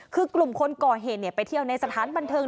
คือกลุ่มคนก่อเหตุไปเที่ยวในสถานบันเทิง